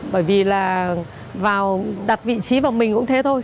bởi vì là vào đặt vị trí vào mình cũng thế thôi